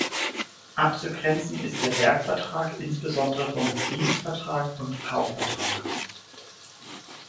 Abzugrenzen ist der Werkvertrag insbesondere vom Dienstvertrag und Kaufvertrag.